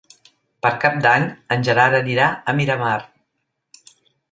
Per Cap d'Any en Gerard anirà a Miramar.